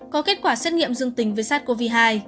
có kết quả xét nghiệm dương tính với sars cov hai